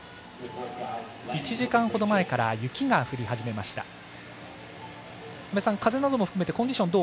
１時間ほど前から雪が降り始めました。